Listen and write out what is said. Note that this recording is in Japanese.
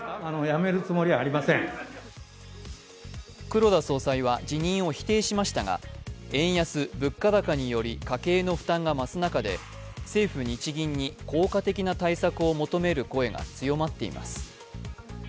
黒田総裁は辞任を否定しましたが、円安・物価高により家計の負担が増す中で政府・日銀に効果的な対策を求める声が強まっています。